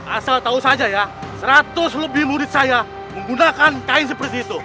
asal tahu saja ya seratus lebih murid saya menggunakan kain seperti itu